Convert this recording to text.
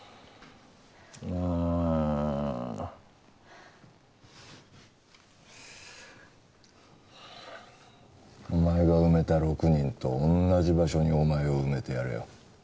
うんお前が埋めた６人と同じ場所にお前を埋めてやるよ